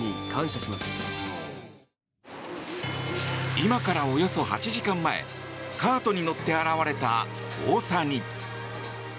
今からおよそ８時間前カートに乗って現れた大谷。